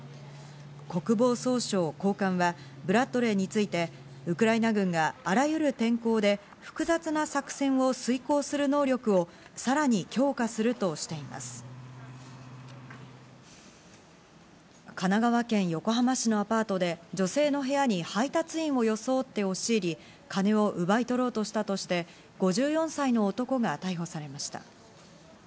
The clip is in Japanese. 国防総省高官は、ブラッドレーについてウクライナ軍があらゆる天候で複雑な作戦を遂行する能力をさらに強化するとして神奈川県横浜市のアパートで女性の部屋に配達員を装って押し入り、金を奪い取ろうとしたとして５４歳の男が逮捕されました。